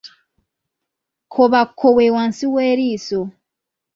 Kkobakko we wansi w’eriiso.